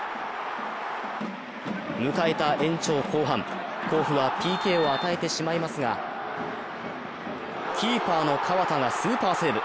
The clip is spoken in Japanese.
迎えた延長後半、甲府はＰＫを与えてしまいますが、キーパーの河田がスーパーセーブ。